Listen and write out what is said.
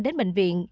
đến bệnh viện